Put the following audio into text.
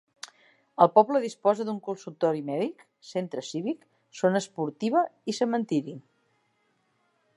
El poble disposa d'un consultori mèdic, centre cívic, zona esportiva i cementeri.